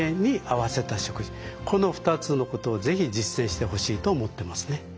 この２つのことを是非実践してほしいと思ってますね。